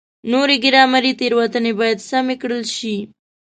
نورې ګرامري تېروتنې باید سمې کړل شي.